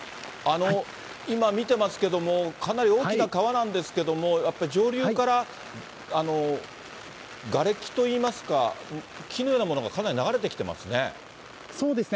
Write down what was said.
今、見てますけども、かなり大きな川なんですけれども、やっぱり上流からがれきといいますか、木のようなものがかなり流れてきてますね。